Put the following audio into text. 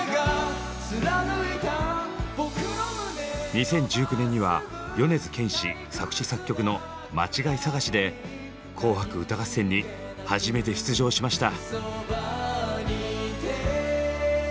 ２０１９年には米津玄師作詞作曲の「まちがいさがし」で「紅白歌合戦」に初めて出場しました。